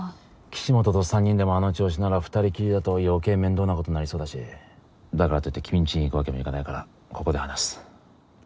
岸本と３人でもあの調子なら２人きりだと余計面倒なことなりそうだしだからといって君んちに行くわけにもいかないからここで話す。